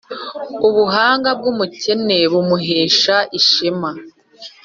Ubuhanga bw’umukene bumuhesha ishema,